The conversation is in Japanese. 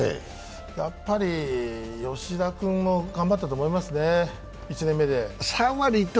やっぱり吉田君も頑張ったと思いますね、１年目で。